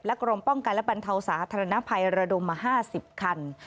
กรมป้องกันและบรรเทาสาธารณภัยระดมมา๕๐คัน